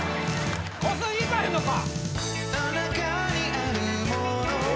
小杉いかへんのか？